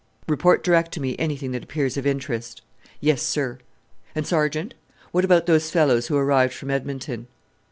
"Report direct to me anything that appears of interest." "Yes, sir." "And, Sergeant what about those fellows who arrived from Edmonton?"